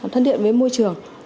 thân thiện với môi trường